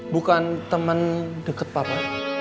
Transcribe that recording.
bukan temen deket papa